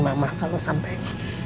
mama kalau sampai